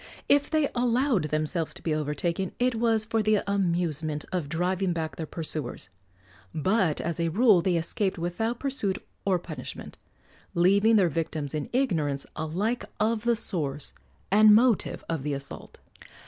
If they allowed themselves to be overtaken it was for the amusement of driving back their pursuers; but as a rule they escaped without pursuit or punishment, leaving their victims in ignorance alike of the source and motive of the assault.